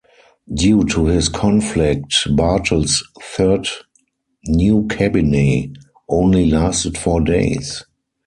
Due to this conflict Bartel's third new cabinet only lasted four days.